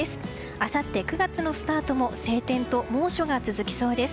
あさって９月のスタートも晴天と猛暑が続きそうです。